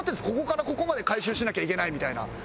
ここからここまで回収しなきゃいけないみたいな。